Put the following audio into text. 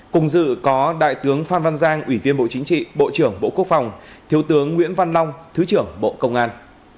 cùng dự có đại tướng phan văn giang ủy viên bộ chính trị bộ trưởng bộ quốc phòng thiếu tướng nguyễn văn long thứ trưởng bộ công an